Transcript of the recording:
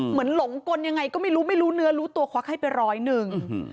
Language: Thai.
หลงกลยังไงก็ไม่รู้ไม่รู้เนื้อรู้ตัวควักให้ไปร้อยหนึ่ง